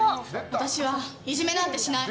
私はいじめなんてしない！